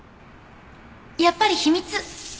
やっぱり秘密！